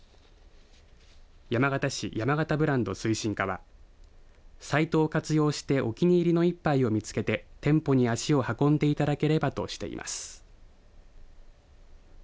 山形市、山形ブランド推進課はサイトを活用してお気に入りの１杯を見つけて店舗に足を運んでいただければとしています。